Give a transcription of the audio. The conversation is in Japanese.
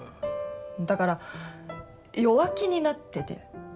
だから弱気になってて。